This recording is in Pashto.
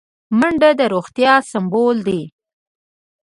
منډه د روغتیا سمبول دی